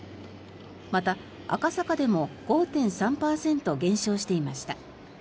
また、赤坂でも５．３％減少していました。